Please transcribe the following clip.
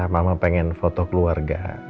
mamah pengen foto keluarga